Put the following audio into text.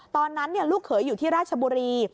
ตอนนั้นลูกเขยอยู่ที่ราชบุรี